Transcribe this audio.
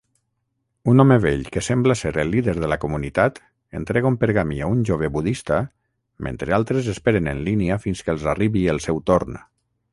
Un home vell que sembla ser el líder de la comunitat entrega un pergamí a un jove budista mentre altres esperen en línia fins que els arribi el seu torn